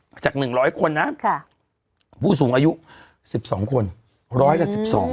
จากหนึ่งร้อยคนนะค่ะผู้สูงอายุสิบสองคนร้อยละสิบสอง